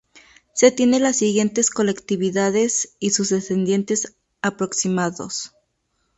Se tiene las siguientes colectividades y sus descendientes aproximados.